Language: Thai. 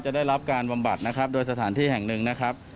ได้รับการบำบัดนะครับโดยสถานที่แห่งหนึ่งนะครับ